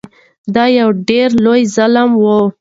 دا یو ډیر لوی ظلم و.